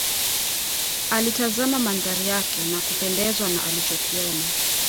Alitazama mandhari yake na kupendezwa na alichokiona